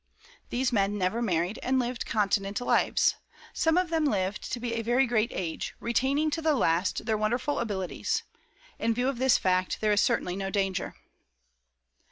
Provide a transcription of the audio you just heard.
These men never married, and lived continent lives. Some of them lived to be a very great age, retaining to the last their wonderful abilities. In view of this fact, there is certainly no danger."